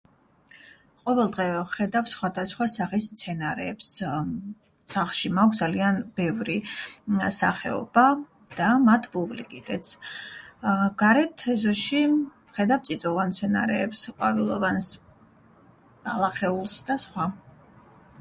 ყოველდღე ვხედავ სხვადასხვა სახის მცენარეებს, ემმ... სახლში მაქვს ძალიან ბევრი სახეობა და მათ ვუვლი კიდეც. ეე... გარეთ, ეზოში ვხედავ წიწვოვან მცენარეებს, ყვავილოვანს, ბალახეულს და სხვა.